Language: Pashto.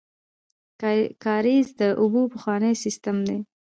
کاریز د اوبو پخوانی سیستم دی